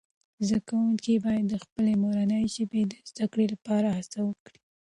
زده کوونکي باید د خپلې مورنۍ ژبې د زده کړې لپاره هڅه وکړي.